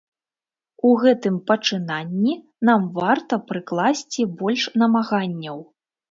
У гэтым пачынанні нам варта прыкласці больш намаганняў.